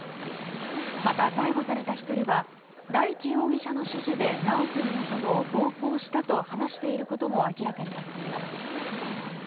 また、逮捕された１人は大地容疑者の指示で修君の祖母を暴行したと話していることも明らかになっています。